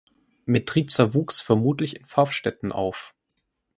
Medrizer wuchs vermutlich in Pfaffstätten auf.